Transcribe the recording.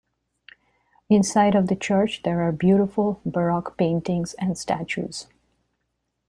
Inside of the church there are beautiful Baroque paintings and statues.